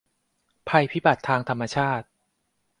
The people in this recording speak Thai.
ภัยพิบัติทางธรรมชาติ